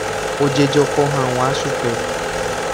Ojejoko hag̃ua chupe.